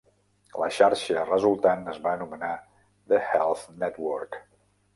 La xarxa resultant es va anomenar The Health Network.